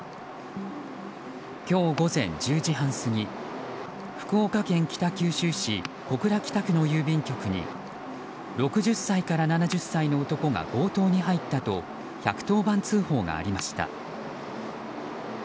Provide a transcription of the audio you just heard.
今日午前１０時半過ぎ福岡県北九州市小倉北区の郵便局に６０歳から７０歳の男が強盗に入ったと１１０番通報がありました。